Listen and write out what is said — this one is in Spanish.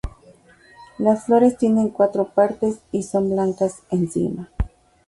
Las flores tienen cuatro partes y son blancas en cima.